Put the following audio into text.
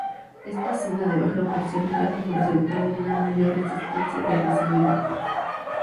Esta zona de baja presión da como resultado una mayor resistencia de rozamiento.